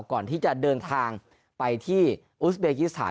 ก่อนที่จะเดินทางไปที่อุสเบกิสถาน